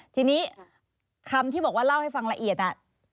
ทีนี้คำที่บอกว่าเล่าให้ฟังละเอียด